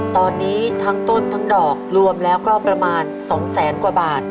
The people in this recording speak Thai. ตอนนี้ทั้งต้นทั้งดอกรวมแล้วก็ประมาณ๒แสนกว่าบาท